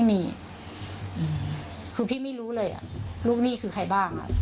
ไม่มีคือพี่ไม่รู้เลยอ่ะลูกหนี้คือใครบ้างอ่ะ